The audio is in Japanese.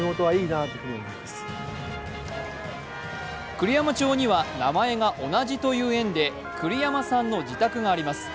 栗山町には名前が同じという縁で栗山さんの自宅があります。